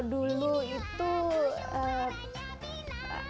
kalau dulu itu eh